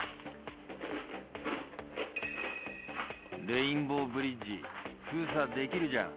レインボーブリッジ封鎖できません。